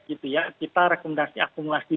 gitu ya kita rekomendasi akumulasi